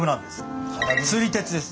つり鉄です。